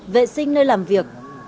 vệ sinh nơi làm việc